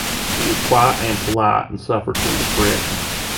He is quiet and polite and suffers from depression.